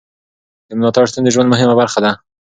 د ملاتړ شتون د ژوند مهمه برخه ده.